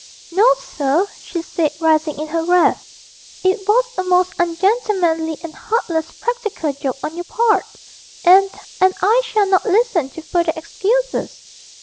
'No, sir,' she said, rising in her wrath; 'it was a most ungentlemanly and heartless practical joke on your part, and and I shall not listen to further excuses.'